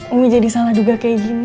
umi jadi salah duga kayak gini